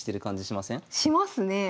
しますねえ。